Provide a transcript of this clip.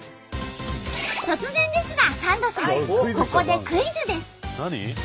突然ですがサンドさん！ここでクイズです！